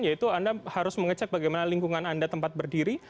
yaitu anda harus mengecek bagaimana lingkungan anda tempat berdiri